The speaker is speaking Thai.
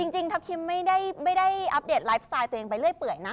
จริงทัพทิมไม่ได้อัปเดตไลฟ์สไตล์ตัวเองไปเรื่อยเปื่อยนะ